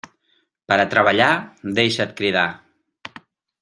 Per a treballar, deixa't cridar.